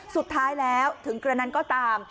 สุดท้ายแล้วถึงกระนั้นก็ตาม